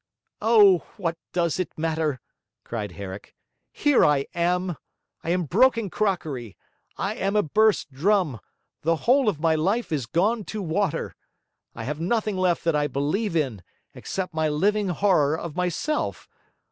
'Oh, what does it matter?' cried Herrick. 'Here I am. I am broken crockery; I am a burst drum; the whole of my life is gone to water; I have nothing left that I believe in, except my living horror of myself.